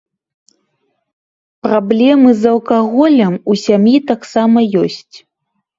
Праблемы з алкаголем у сям'і таксама ёсць.